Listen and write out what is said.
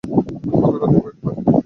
ক্ষতটা দেখো একবার।